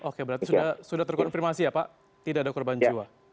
oke berarti sudah terkonfirmasi ya pak tidak ada korban jiwa